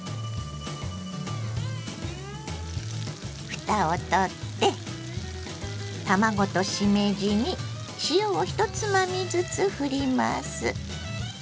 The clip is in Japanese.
ふたをとって卵としめじに塩を１つまみずつふります。